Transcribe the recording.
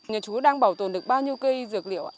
nhà chú đang bảo tồn được bao nhiêu cây dược liệu ạ